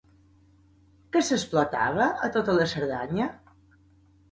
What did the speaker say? Què s'explotava a tota la Cerdanya?